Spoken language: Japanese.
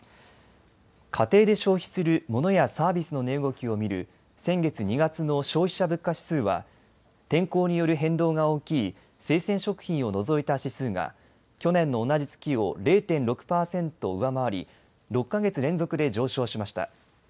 家庭で消費するモノやサービスの値動きを見る先月２月の消費者物価指数は天候による変動が大きい生鮮食品を除いた指数が去年の同じ月を０．６％上回り６か月連続で上昇しました。